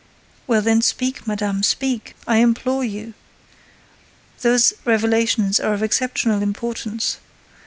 "Well, then, speak madame, speak, I implore you! Those revelations are of exceptional importance.